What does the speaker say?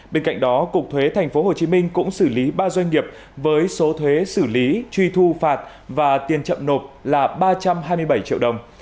bên cạnh đó cục thuế tp hcm cũng xử lý ba doanh nghiệp với số thuế xử lý truy thu phạt và tiền chậm nộp là ba trăm hai mươi bảy triệu đồng